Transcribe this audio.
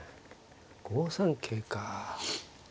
５三桂か。